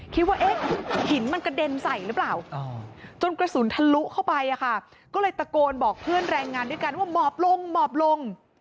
คิดว่าเอ๊ะหินมันกระเด็นใส่หรือเปล่าจนกระสุนทะลุเข้าไปอะค่ะก็เลยตะโกนบอกเพื่อนแรงงานด้วยกันว่าหมอบลงหมอบลง